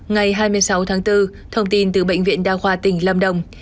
ngày hai mươi sáu tháng bốn thông tin từ bệnh viện đa khoa tỉnh lâm đồng